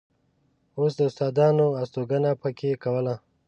اوس استادانو استوګنه په کې کوله.